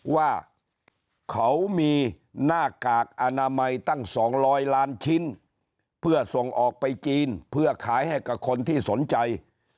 ว่าเขามีหน้ากากอนามัยตั้ง๒๐๐ล้านชิ้นเพื่อส่งออกไปจีนเพื่อขายให้กับคนที่สนใจ